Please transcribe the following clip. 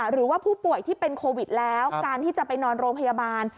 หรือว่าผู้ป่วยที่เป็นโควิดแล้วการที่จะไปนอนโรงพยาบาล